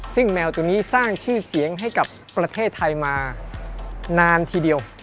ซึ่งแมวตัวนี้สร้างชื่อเสียงให้กับประเทศไทยมานานทีเดียว